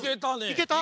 いけた？